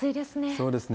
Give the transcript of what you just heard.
そうですね。